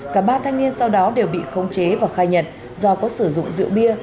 cả ba thanh niên sau đó đều bị khống chế và khai nhận do có sử dụng rượu bia